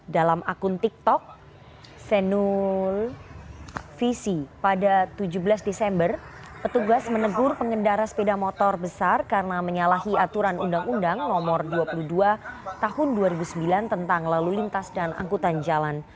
dalam akun tiktok senuvisi pada tujuh belas desember petugas menegur pengendara sepeda motor besar karena menyalahi aturan undang undang nomor dua puluh dua tahun dua ribu sembilan tentang lalu lintas dan angkutan jalan